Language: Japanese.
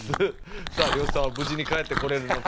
さあ呂布さんは無事に帰ってこれるのか？